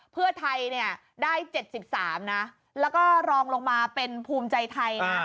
เพื่อไทยเนี่ยได้๗๓นะแล้วก็รองลงมาเป็นภูมิใจไทยนะ